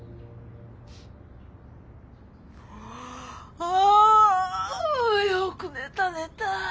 ああよく寝た寝た。